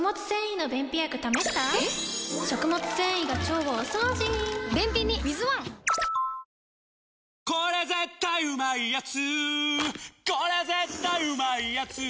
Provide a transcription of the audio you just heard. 「日清これ絶対うまいやつ」